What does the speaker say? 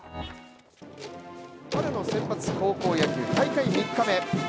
春の選抜高校野球、大会３日目。